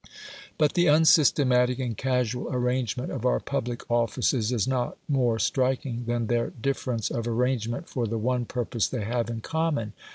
But the unsystematic and casual arrangement of our public offices is not more striking than their difference of arrangement for the one purpose they have in common.